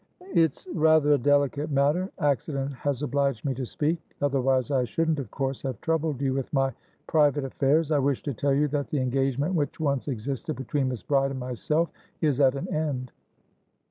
"It's rather a delicate matter. Accident has obliged me to speak; otherwise, I shouldn't, of course, have troubled you with my private affairs. I wish to tell you that the engagement which once existed between Miss Bride and myself is at an end."